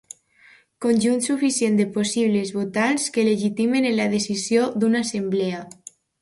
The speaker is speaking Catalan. Conjunt suficient de possibles votants que legitimen la decisió d'una assemblea.